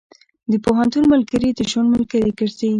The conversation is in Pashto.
د پوهنتون ملګري د ژوند ملګري ګرځي.